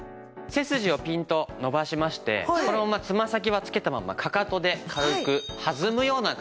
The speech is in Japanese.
背筋をピーンと伸ばしましてこのまんまつま先はつけたまんまかかとで軽く弾むような感じで。